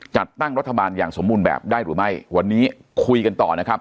จัดตั้งรัฐบาลอย่างสมบูรณ์แบบได้หรือไม่วันนี้คุยกันต่อนะครับ